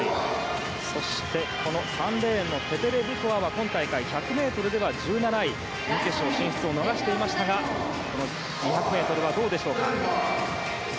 そして、３レーンのテテレブコワは今大会１００ｍでは１７位で準決勝進出を逃していましたが２００ｍはどうでしょうか。